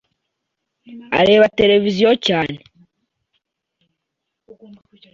areba televiziyo cyane.